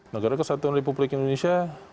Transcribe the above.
negara kesatuan republik indonesia